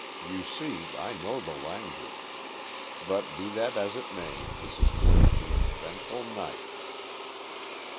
You see, I know the language. But, be that as it may, this is going to be an eventful night."